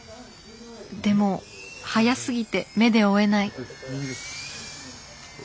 でも速すぎて目で追えない。